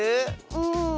うん。